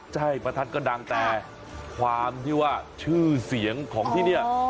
ใช่ประทัดก็ดังแต่ความที่ว่าชื่อเสียงของที่นี่